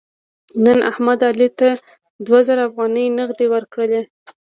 نن احمد علي ته دوه زره افغانۍ نغدې ورکړلې.